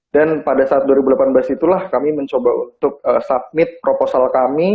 dan pada saat dua ribu delapan belas itulah kami mencoba untuk submit proposal kami